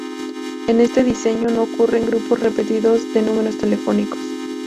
En este diseño no ocurren grupos repetidos de números telefónicos.